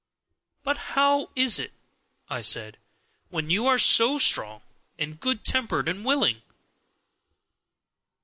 "But how is it," I said, "when you are so strong and good tempered and willing?"